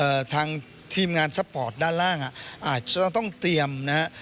ทางทีมงานสปอร์ตด้านล่างอ่ะอาจจะต้องเตรียมนะฮะ